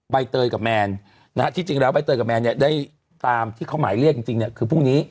ใบเตยกับแมนที่จริงแล้วใบเตยกับแมนได้ตามที่เขาหมายเรียกจริงคือพรุ่งนี้